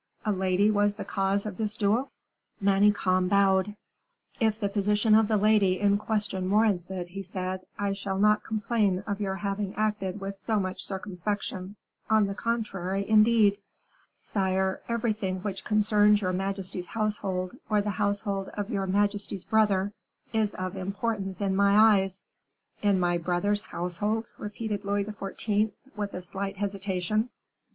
"A lady was the cause of this duel?" Manicamp bowed. "If the position of the lady in question warrants it," he said, "I shall not complain of your having acted with so much circumspection; on the contrary, indeed." "Sire, everything which concerns your majesty's household, or the household of your majesty's brother, is of importance in my eyes." "In my brother's household," repeated Louis XIV., with a slight hesitation.